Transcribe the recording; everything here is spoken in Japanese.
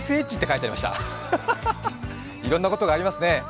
いろんなことがありますね。